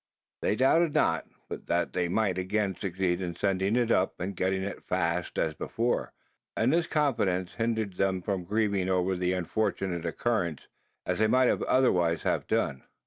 They doubted not, but that they might again succeed in sending it up, and getting it fast as before; and this confidence hindered them from grieving over the unfortunate occurrence, as they might otherwise have done.